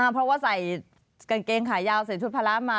เพราะว่าใส่กางเกงขายาวใส่ชุดภาระมา